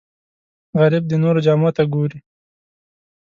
غریب د نورو جامو ته ګوري